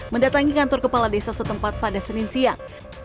mendatangi kantor kepala desa setempat pada senin siang